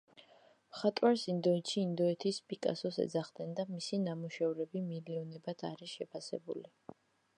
მხატვარს ინდოეთში „ინდოეთის პიკასოს“ ეძახდნენ და მისი ნამუშევრები მილიონებად არის შეფასებული.